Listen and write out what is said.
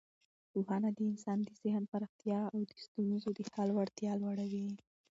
پوهنه د انسان د ذهن پراختیا او د ستونزو د حل وړتیا لوړوي.